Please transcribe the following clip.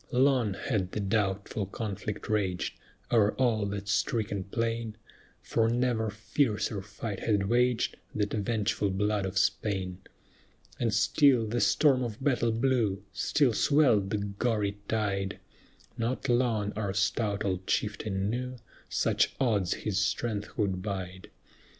Long had the doubtful conflict raged O'er all that stricken plain, For never fiercer fight had waged The vengeful blood of Spain; And still the storm of battle blew, Still swelled the gory tide; Not long our stout old chieftain knew, Such odds his strength could bide.